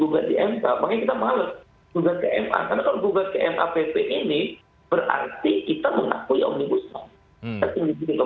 karena kalau gugat ke ma pp ini berarti kita mengakui omnibus law